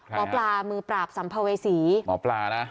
หมอปลามือปราบสัมภเวษีหมอปลานะ